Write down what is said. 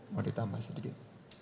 mau ditambah sedikit